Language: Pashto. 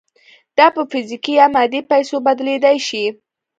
دا په فزیکي یا مادي پیسو بدلېدای شي